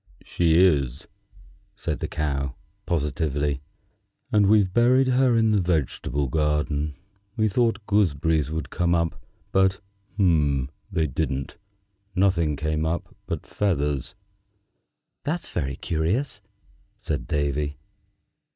"She is," said the Cow, positively, "and we've buried her in the vegetable garden. We thought gooseberries would come up, but they didn't. Nothing came up but feathers." "That's very curious," said Davy.